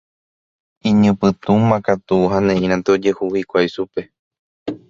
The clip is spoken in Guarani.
Iñipytũma katu ha ne'írãnte ojuhu hikuái chupe.